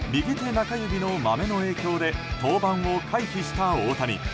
中指のマメの影響で登板を回避した大谷。